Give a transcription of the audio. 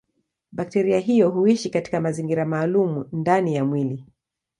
Bakteria hiyo huishi katika mazingira maalumu ndani ya mwili.